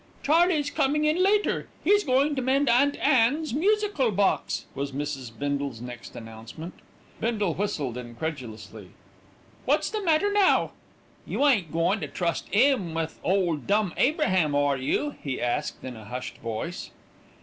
"Charley's coming in later; he's going to mend Aunt Anne's musical box," was Mrs. Bindle's next announcement. Bindle whistled incredulously. "What's the matter now?" "You ain't goin' to trust 'im with Ole Dumb Abraham, are you?" he asked in a hushed voice.